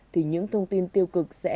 thì những thông tin tiêu cực sẽ